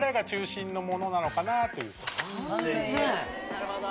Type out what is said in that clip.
なるほど。